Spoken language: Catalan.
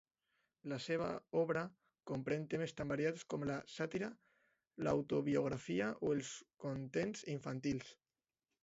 La seva obra comprèn temes tan variats com la sàtira, l'autobiografia o els contes infantils.